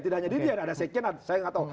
tidak hanya dirjen ada sejen saya nggak tahu